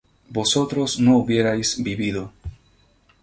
vosotros no hubierais vivido